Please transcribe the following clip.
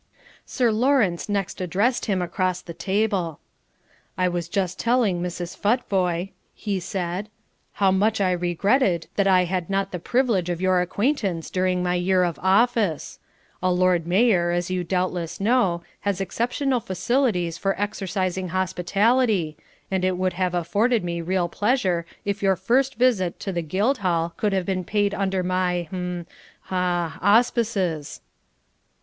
Sir Lawrence next addressed him across the table. "I was just telling Mrs. Futvoye," he said, "how much I regretted that I had not the privilege of your acquaintance during my year of office. A Lord Mayor, as you doubtless know, has exceptional facilities for exercising hospitality, and it would have afforded me real pleasure if your first visit to the Guildhall could have been paid under my hm ha auspices."